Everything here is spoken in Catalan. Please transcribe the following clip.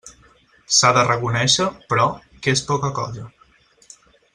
S'ha de reconéixer, però, que és poca cosa.